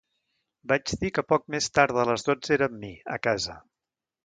Vaig dir que poc més tard de les dotze era amb mi, a casa.